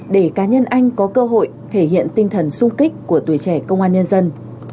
để cá nhân anh có cơ hội thể hiện tinh thần sung kích của tuổi trẻ công an nhân dân